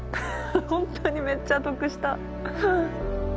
本当にめっちゃ得した。